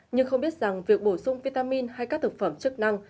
nhưng không biết rằng việc bổ sung vitamin hay các thực phẩm chức năng